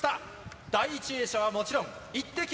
第１泳者はもちろんイッテＱ！